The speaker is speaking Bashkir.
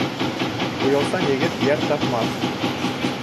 Оялсан егет йәр тапмаҫ.